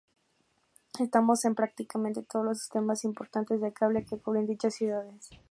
Estamos en prácticamente todos los Sistema importantes de Cable, que cubren dichas ciudades.